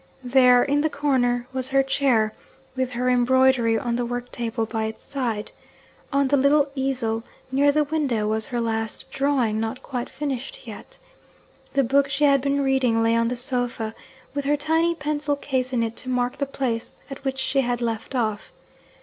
There, in the corner, was her chair, with her embroidery on the work table by its side. On the little easel near the window was her last drawing, not quite finished yet. The book she had been reading lay on the sofa, with her tiny pencil case in it to mark the place at which she had left off.